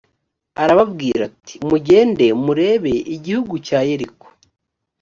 arababwira ati «mugende murebe igihugu cya yeriko.»